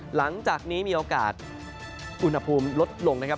หลังจากนี้มีโอกาสอุณหภูมิลดลงนะครับ